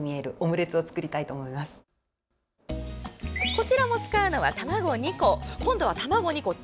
こちらも使うのは卵２個だけ！